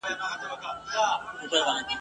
څه خبر وي وږي څرنګه ویدیږي `